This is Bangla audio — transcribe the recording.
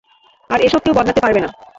আর এসব কেউ বদলাতে পারবে না।